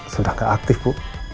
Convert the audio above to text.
sudah gak aktif bu